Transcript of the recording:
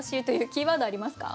キーワードありますか？